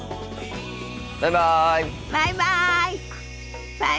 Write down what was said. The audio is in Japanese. バイバイ。